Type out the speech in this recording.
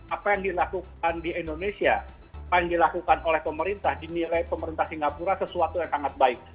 apa yang dilakukan di indonesia apa yang dilakukan oleh pemerintah dinilai pemerintah singapura sesuatu yang sangat baik